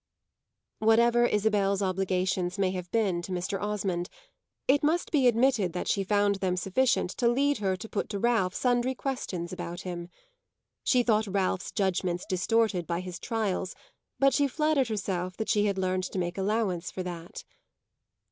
Whatever Isabel's obligations may have been to Mr. Osmond, it must be admitted that she found them sufficient to lead her to put to Ralph sundry questions about him. She thought Ralph's judgements distorted by his trials, but she flattered herself she had learned to make allowance for that.